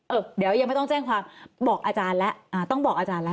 เออเดี๋ยวยังไม่ต้องแจ้งความบอกอาจารย์แล้วอ่าต้องบอกอาจารย์แล้ว